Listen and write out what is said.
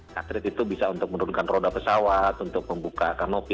satrit itu bisa untuk menurunkan roda pesawat untuk membuka kanopi